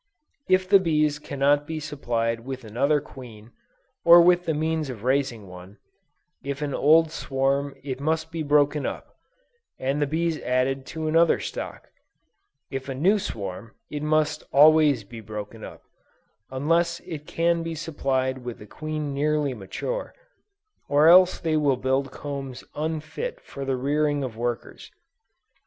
If the bees cannot be supplied with another queen, or with the means of raising one, if an old swarm it must be broken up, and the bees added to another stock; if a new swarm it must always be broken up, unless it can be supplied with a queen nearly mature, or else they will build combs unfit for the rearing of workers.